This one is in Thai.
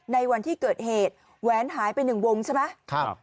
ในวันที่เกิดเหตุแหวนหายไปหนึ่งวงใช่ไหม